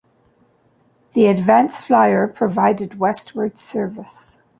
The "Advance Flyer" provided westward service.